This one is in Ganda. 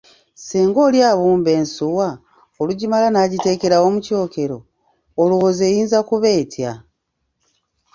"Singa oli abumba ensuwa olugimala n’agiteekerawo mu kyokero, olowooza eyinza kuba etya?"